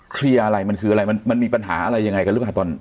เคลียร์อะไรมันคืออะไรมันมีปัญหาอะไรยังไงกันหรือเปล่าตอน